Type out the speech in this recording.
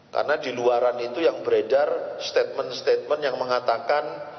karena di luaran itu yang beredar statement statement yang mengatakan